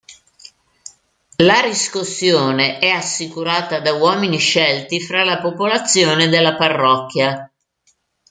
La riscossione è assicurata da uomini scelti tra la popolazione della parrocchia.